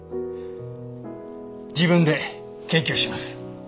自分で研究します。